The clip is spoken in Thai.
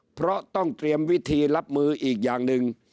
เพราะต้องเตรียมวิธีรับมืออีกอย่างหนึ่ง